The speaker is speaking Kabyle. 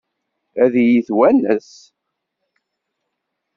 Ad iyi-twanes?